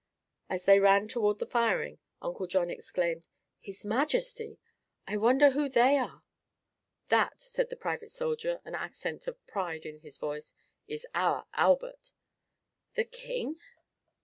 As they ran toward the firing Uncle John exclaimed: "His Majesty! I wonder who they are?" "That," said a private soldier, an accent of pride in his voice, "is our Albert." "The king?"